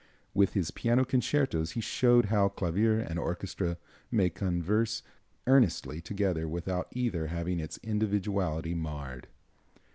With his piano concertos he showed how clavier and orchestra may converse earnestly together without either having its individuality marred.